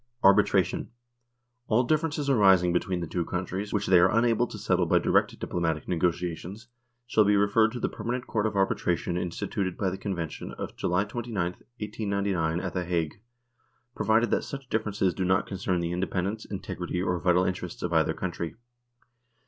Arbitration. All differences arising between the two countries which they are unable to settle by direct diplomatic negotiations shall be referred to the Permanent Court of Arbitration instituted by the Convention of July 29, 1899, at the Hague, provided that such differences do not concern the independ ence, integrity, or vital interests of either country.